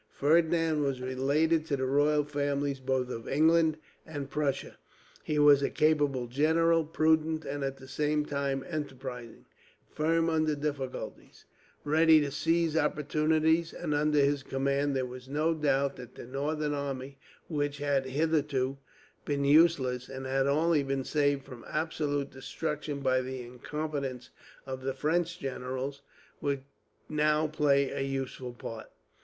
Ferdinand was related to the royal families both of England and Prussia. He was a capable general, prudent and at the same time enterprising, firm under difficulties, ready to seize opportunities; and under his command there was no doubt that the northern army, which had hitherto been useless, and had only been saved from absolute destruction by the incompetence of the French generals, would now play a useful part.